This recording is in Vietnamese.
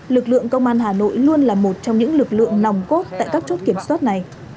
lực lượng công an hà nội luôn là một trong những lực lượng nòng cốt tại các chốt kiểm soát này